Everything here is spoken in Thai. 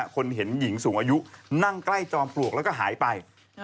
คนเห็นหญิงสูงอายุนั่งใกล้จอมปลวกแล้วก็หายไป